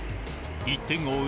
１点を追う